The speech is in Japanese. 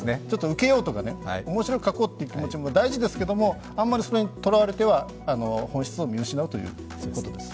受けようとか、面白く書こうというのも大事ですけど、あまりそれにとらわれては本質を見失うということです。